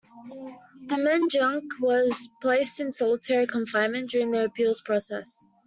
Demjanjuk was placed in solitary confinement during the appeals process.